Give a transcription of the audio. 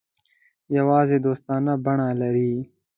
یوازې دوستانه بڼه لري.